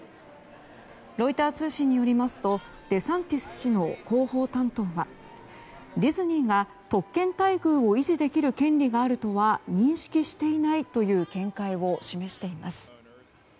ロイター通信によりますとデサンティス氏の広報担当はディズニーが特権待遇を維持できる権利があるとは認識していないという見解を示しています。